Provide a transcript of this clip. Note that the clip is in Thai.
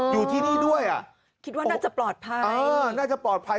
อยู่ที่นี่ด้วยอ่ะคิดว่าน่าจะปลอดภัยเออน่าจะปลอดภัย